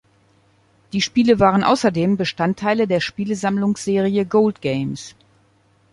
Die Spiele waren außerdem Bestandteile der Spielesammlungs-Serie Gold Games.